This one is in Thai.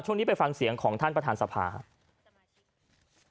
ช่วงนี้ไปฟังเสียงของท่านประธานสภาครับ